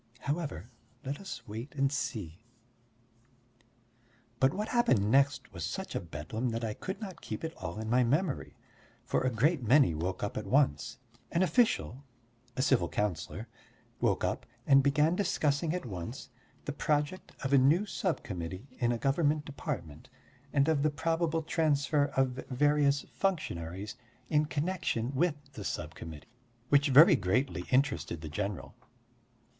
However, let us wait and see. But what happened next was such a Bedlam that I could not keep it all in my memory. For a great many woke up at once; an official a civil councillor woke up, and began discussing at once the project of a new sub committee in a government department and of the probable transfer of various functionaries in connection with the sub committee which very greatly interested the general.